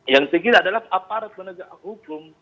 yang ketiga adalah aparat menegak hukum